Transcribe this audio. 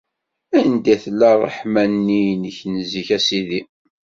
Anda i tella ṛṛeḥma-nni-inek n zik, a Sidi.